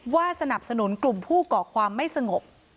สนับสนุนกลุ่มผู้ก่อความไม่สงบ